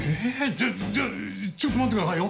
じゃっじゃあちょっと待ってくださいよ。